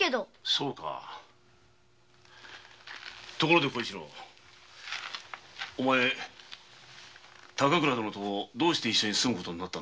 そうかところで小一郎お前は高倉殿とどうして一緒に住むことになったんだ？